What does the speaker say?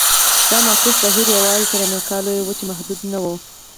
دا معکوس بهیر یوازې تر امریکا لویې وچې محدود نه و.